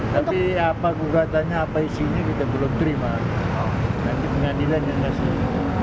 tapi apa gugatannya apa isinya kita belum terima nanti pengadilannya kasih